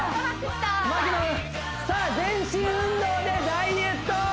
さあ全身運動でダイエット！